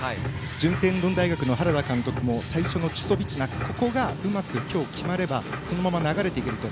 順天堂大学の原田監督も最初のチュソビチナここがうまく今日決まればそのまま流れていけると。